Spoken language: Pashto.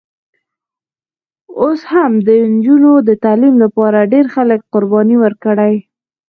اوس هم د نجونو د تعلیم لپاره ډېر خلک قربانۍ ورکړي.